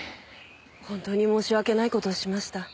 本当に申し訳ない事をしました。